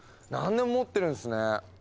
何でも持ってるんすね。